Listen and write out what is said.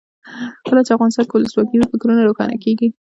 کله چې افغانستان کې ولسواکي وي فکرونه روښانه کیږي.